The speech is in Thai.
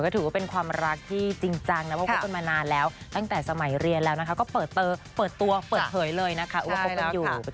ถือว่าเป็นความรักที่จริงจังนะว่าคบกันมานานแล้วตั้งแต่สมัยเรียนแล้วนะคะก็เปิดตัวเปิดเผยเลยนะคะว่าคบกันอยู่